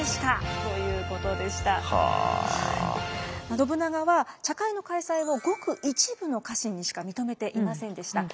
信長は茶会の開催をごく一部の家臣にしか認めていませんでした。